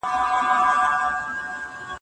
د سپینې شرشرې تر سندریزې نغمې لاندې